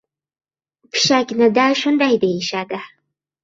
Pishakni-da shunday deyishadi.